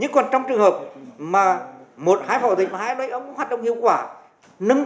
nhưng còn trong trường hợp mà một hai phó chủ tịch hai ông phó đồng hiệu quả nâng cao chất lượng hoạt động lên quá thì cần gì